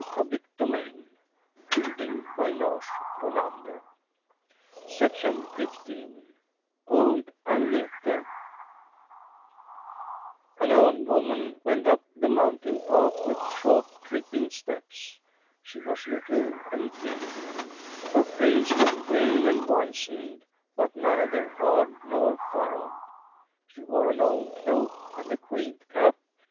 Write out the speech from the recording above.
[«81 From a Swedish Homestead III Old Agnete Old Agnete AN old woman went up the mountain path with short, tripping steps. She was little and thin. Her face was pale and wizened, but neither hard nor furrowed. She wore a long cloak and a quilled cap.